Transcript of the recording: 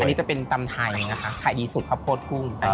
อันนี้จะเป็นตำไทยนะคะขายดีสุดข้าวโพดกุ้ง